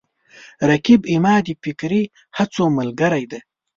رقیب زما د فکري هڅو ملګری دی